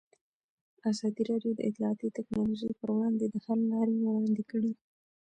ازادي راډیو د اطلاعاتی تکنالوژي پر وړاندې د حل لارې وړاندې کړي.